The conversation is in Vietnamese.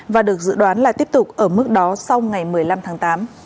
và được dự đoán là tiếp tục ở mức đó sau ngày một mươi năm tháng tám